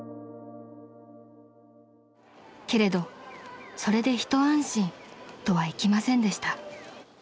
［けれどそれで一安心とはいきませんでした］